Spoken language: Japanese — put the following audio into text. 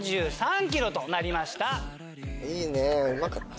いいねうまかった。